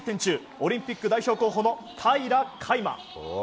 オリンピック代表候補の平良海馬。